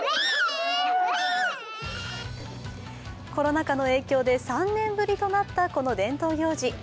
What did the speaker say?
コロナ禍の影響で３年ぶりとなったこの伝統行事。